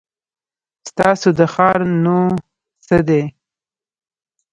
ستاسو د ښار نو څه دی ؟